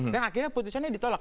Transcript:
dan akhirnya putusannya ditolak